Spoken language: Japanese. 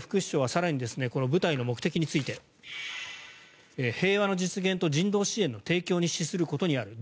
副首相は更にこの部隊の目的について平和の実現と人道支援の提供に資することにある。